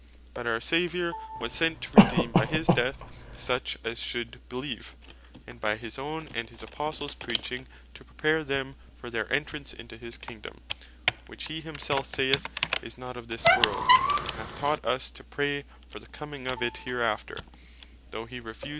But our Saviour was sent to Redeem (by his Death) such as should Beleeve; and by his own, and his Apostles preaching to prepare them for their entrance into his Kingdome; which he himself saith, is not of this world, and hath taught us to pray for the coming of it hereafter, though hee refused (Acts 1.